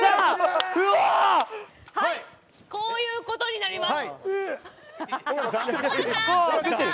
こういうことになります。